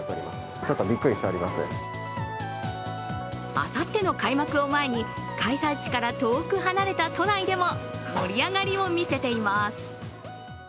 あさっての開幕を前に開催地から遠く離れた都内でも盛り上がりを見せています。